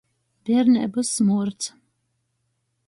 Bierneibys smuords.